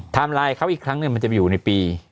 ทางไลน์ของเค้าอีกครั้งนึงมันจะอยู่ในปี